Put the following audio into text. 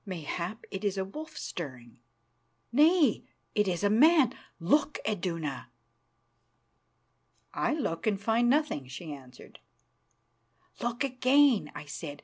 Mayhap it is a wolf stirring. Nay, it is a man. Look, Iduna." "I look and find nothing," she answered. "Look again," I said.